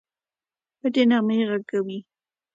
ټپي نغمې ږغوي